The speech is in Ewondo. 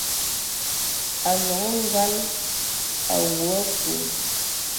A nɔŋɔ ngal a woa a nkwe.